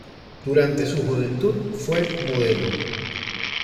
Durante su juventud fue modelo.